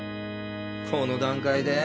この段階で？